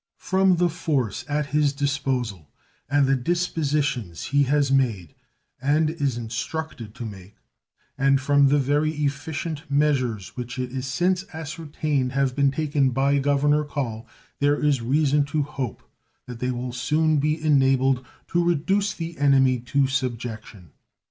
From the force at his disposal and the dispositions he has made and is instructed to make, and from the very efficient measures which it is since ascertained have been taken by Governor Call, there is reason to hope that they will soon be enabled to reduce the enemy to subjection.